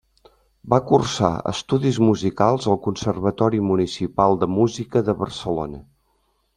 Va cursar estudis musicals al Conservatori Municipal de Música de Barcelona.